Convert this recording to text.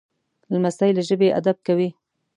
لمسی له ژبې ادب کوي.